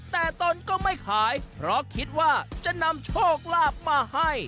แต่ตนก็ไม่ขายเพราะคิดว่าจะนำโชคลาภมาให้